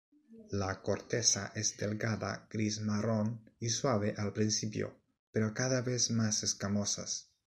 La corteza es delgada, gris-marrón, y suave al principio, pero cada vez más escamosas.